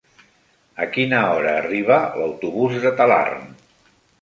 A quina hora arriba l'autobús de Talarn?